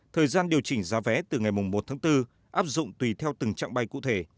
thời gian điều chỉnh giá vé từ ngày một tháng bốn áp dụng tùy theo từng trạng bay cụ thể